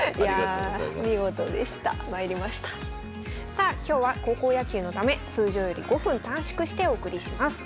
さあ今日は高校野球のため通常より５分短縮してお送りします。